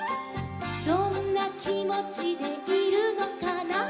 「どんなきもちでいるのかな」